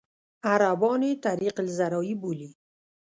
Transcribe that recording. عربان یې طریق الزراعي بولي.